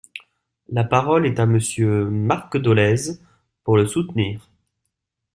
La parole est à Monsieur Marc Dolez, pour le soutenir.